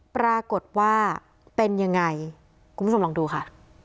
ปรากฏว่าเป็นยังไงคุณผู้ชมลองดูค่ะ